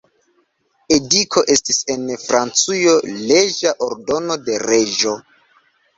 Edikto estis en Francujo leĝa ordono de reĝo.